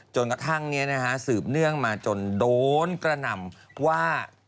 จนกระทั่งนี้นะฮะสืบเนื่องมาจนโดนกระหน่ำว่า